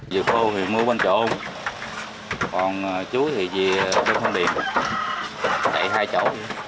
dừa khô thì mua bên chỗ còn chuối thì về bên thang điện chạy hai chỗ